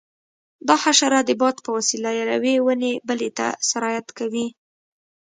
دا حشره د باد په وسیله له یوې ونې بلې ته سرایت کوي.